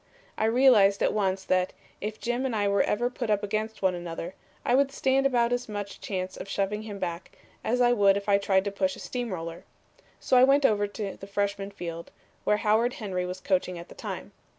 I realized at once that, if Jim and I were ever put up against one another, I would stand about as much chance of shoving him back as I would if I tried to push a steam roller. So I went over to the freshman field, where Howard Henry was coaching at the time.